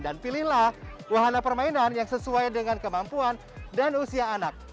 dan pilihlah wahana permainan yang sesuai dengan kemampuan dan usia anak